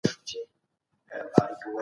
ټول کاینات د انسان په قومانده کي دي.